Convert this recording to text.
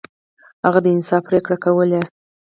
هغه د انصاف پریکړې کولې.